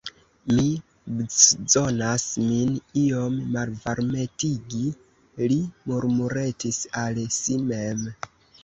Mi bczonas min iom malvarmetigi, li murmuretis al si mem.